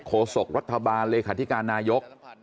โศกรัฐบาลเลขาธิการนายก